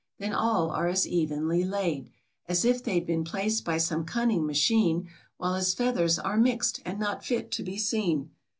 Then all are as evenly laid As if they'd been placed by some cunning machine ; While his feathers are mixed, and not fit to be seen."